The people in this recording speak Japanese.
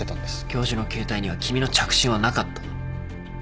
教授の携帯には君の着信はなかった。